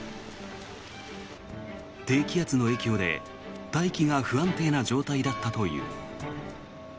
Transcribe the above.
低気圧の影響で、大気が不安定な状態だったという。